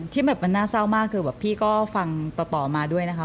ที่แบบมันน่าเศร้ามากคือแบบพี่ก็ฟังต่อมาด้วยนะคะ